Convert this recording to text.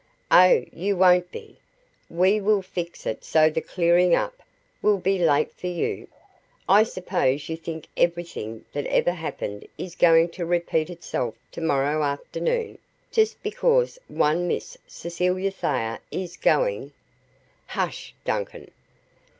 "Oh, you won't be. We will fix it so the 'clearing up' will be late for you. I suppose you think everything that ever happened is going to repeat itself to morrow afternoon, just because one Miss Cecilia Thayer is going " "Hush, Duncan!